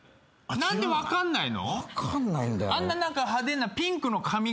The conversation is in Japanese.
何で分かんないの？